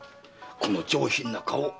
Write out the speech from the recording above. この上品な顔